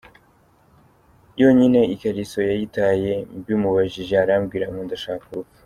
yonyine ikariso yayitaye mbimubajije arambwira ngo ndashaka urupfu.